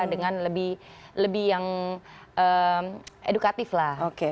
dengan lebih yang edukatif lah